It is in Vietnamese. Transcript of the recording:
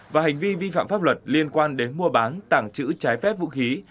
và hành vi vi phạm pháp luật liên quan đến mua bán tàng trữ trái phép vũ khí